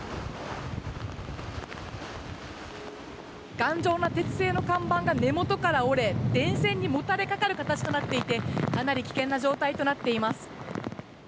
頑丈な鉄製の看板が根元から折れ電線にもたれかかる形となっていいて、かなり危険な状態となっています。